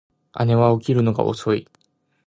姉は起きるのが遅い